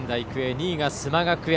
２位が須磨学園。